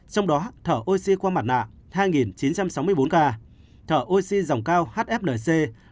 trong đó thở oxy qua mặt nạ hai chín trăm sáu mươi bốn ca thở oxy dòng cao hflc